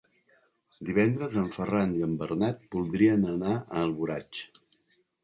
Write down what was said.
Divendres en Ferran i en Bernat voldrien anar a Alboraig.